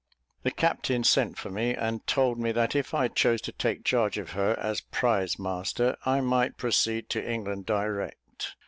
The captain sent for me, and told me that if I chose to take charge of her, as prize master, I might proceed to England direct.